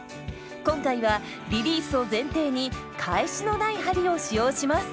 今回はリリースを前提に返しのない針を使用します。